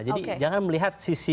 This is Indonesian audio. jadi jangan melihat sisi